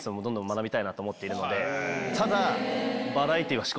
ただ。